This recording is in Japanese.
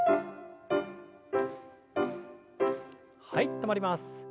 はい止まります。